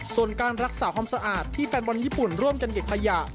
ส่วนการรักษาความสะอาดที่แฟนบอลญี่ปุ่นร่วมกันเก็บขยะ